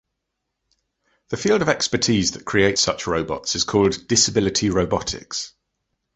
The field of expertise that creates such robots is called "disability robotics".